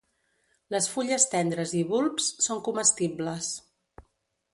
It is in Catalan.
Les fulles tendres i bulbs són comestibles.